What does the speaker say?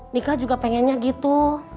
nikah juga pengennya gitu